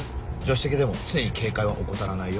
手席でも常に警戒は怠らないよ。